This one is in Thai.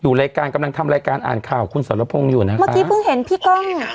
รายการกำลังทำรายการอ่านข่าวคุณสรพงศ์อยู่นะเมื่อกี้เพิ่งเห็นพี่ก้อง